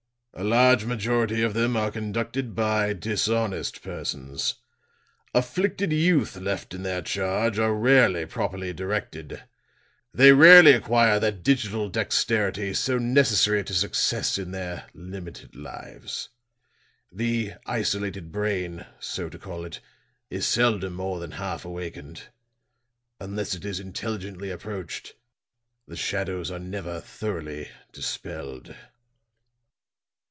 A large majority of them are conducted by dishonest persons. Afflicted youth left in their charge are rarely properly directed they rarely acquire that digital dexterity so necessary to success in their limited lives. The isolated brain, so to call it, is seldom more than half awakened. Unless it is intelligently approached, the shadows are never thoroughly dispelled."